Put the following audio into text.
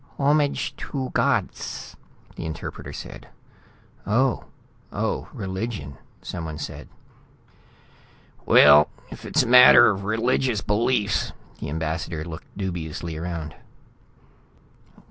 "Homage to godss," the interpreter said. "Oh. Oh, religion," someone said. "Well, if it's a matter of religious beliefs...." The ambassador looked dubiously around.